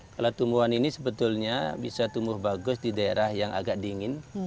kalau tumbuhan ini sebetulnya bisa tumbuh bagus di daerah yang agak dingin